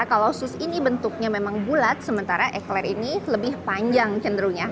kalau sus ini bentuknya memang bulat sementara ikhlaq ini lebih panjang cenderungnya